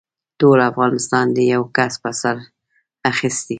ټول افغانستان دې يوه کس په سر اخيستی.